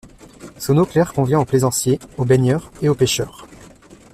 Son eau claire convient aux plaisanciers, aux baigneurs et aux pêcheurs.